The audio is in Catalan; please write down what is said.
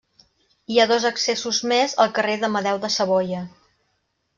Hi ha dos accessos més al carrer d'Amadeu de Savoia.